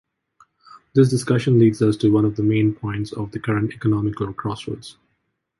This discussion leads us to one of the main points of the current economical crossroads.